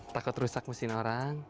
takut rusak mesin orang